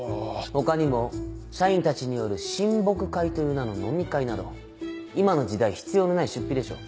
他にも社員たちによる親睦会という名の飲み会など今の時代必要のない出費でしょう。